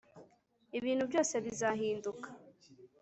ibintu byose bizahinduka